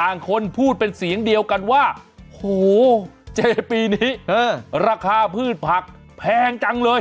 ต่างคนพูดเป็นเสียงเดียวกันว่าโหเจปีนี้ราคาพืชผักแพงจังเลย